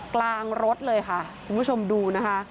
กลางรถเลยค่ะคุณผู้ชมดูนะคะ